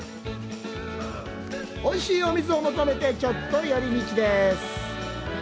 おいしい水を求めてちょっと寄り道です。